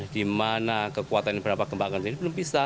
karena kekuatannya berapa gempa akan terjadi belum bisa